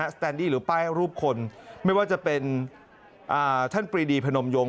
สแตนดี้หรือป้ายรูปคนไม่ว่าจะเป็นท่านปรีดีพนมยง